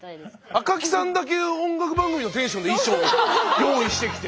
赤木さんだけ音楽番組のテンションで衣装を用意してきて。